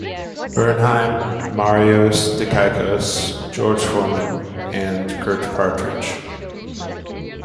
Bernheim, Marios Dikaiakos, George Forman, and Kurt Partridge.